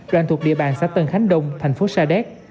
đoàn thuộc địa bàn xã tân khánh đông thành phố sa đéc